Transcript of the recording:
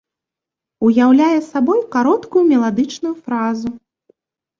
Уяўляе сабой кароткую меладычную фразу.